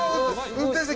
運転席！